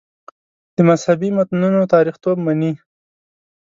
د مذهبي متنونو تاریخیتوب مني.